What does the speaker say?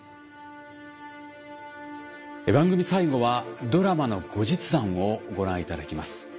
番組最後はドラマの後日談をご覧いただきます。